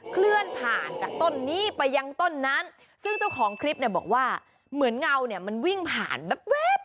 เคลื่อนผ่านจากต้นนี้ไปยังต้นนั้นซึ่งเจ้าของคลิปเนี่ยบอกว่าเหมือนเงาเนี่ยมันวิ่งผ่านแว๊บ